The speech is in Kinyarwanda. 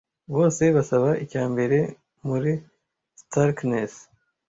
Bose basaba icyambere muri Starkness.